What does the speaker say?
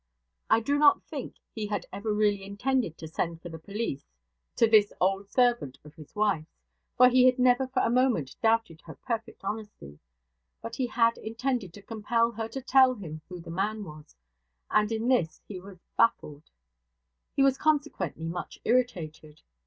I do not think he had ever really intended to send for the police to this old servant of his wife's; for he had never for a moment doubted her perfect honesty. But he had intended to compel her to tell him who the man was, and in this he was baffled. He was, consequently, much irritated.